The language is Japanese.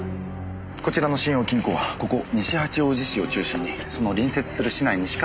こちらの信用金庫はここ西八王子市を中心にその隣接する市内にしかありません。